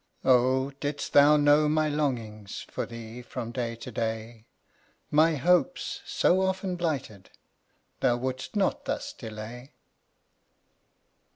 Oh, didst thou know my longings For thee, from day to day, My hopes, so often blighted, Thou wouldst not thus delay!